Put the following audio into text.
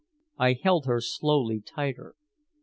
I held her slowly tighter.